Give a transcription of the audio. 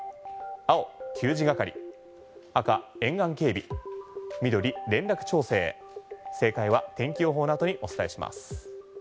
青、給仕係赤、沿岸警備緑、連絡調整正解は天気予報の後にお伝えします。